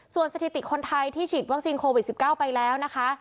ส่วนสถิติคนไทยที่ฉีดวัคซีนโควิด๑๙ไปแล้วนะคะ